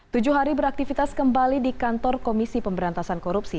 tujuh hari beraktivitas kembali di kantor komisi pemberantasan korupsi